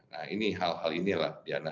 nah ini hal hal inilah diana